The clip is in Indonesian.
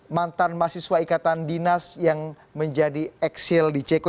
mantan mahasiswa ikatan dinas yang menjadi eksil di ck